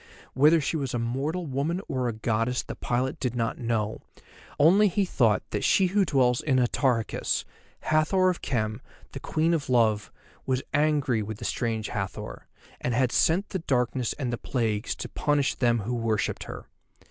Whether she was a mortal woman or a goddess the pilot did not know, only he thought that she who dwells in Atarhechis, Hathor of Khem, the Queen of Love, was angry with the strange Hathor, and had sent the darkness and the plagues to punish them who worshipped her.